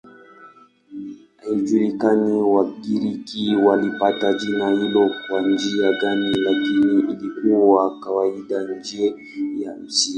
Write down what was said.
Haijulikani Wagiriki walipata jina hilo kwa njia gani, lakini lilikuwa kawaida nje ya Misri.